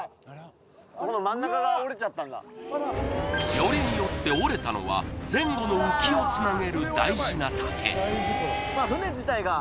よりによって折れたのは前後の浮きをつなげる大事な竹